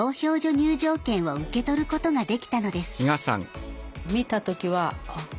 入場券を受け取ることができたのです。